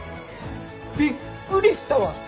びっくりしたわ！